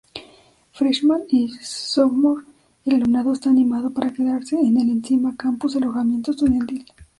Freshman Y sophomore el alumnado está animado para quedarse en el encima-campus alojamiento estudiantil.